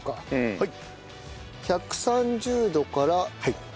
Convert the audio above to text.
はい。